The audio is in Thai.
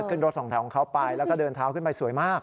ขึ้นรถสองแถวของเขาไปแล้วก็เดินเท้าขึ้นไปสวยมาก